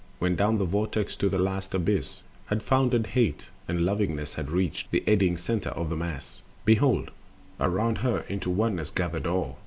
When down the Vortex to the last abyss Had foundered Hate, and Lovingness had reached The eddying center of the Mass, behold Around her into Oneness gathered all.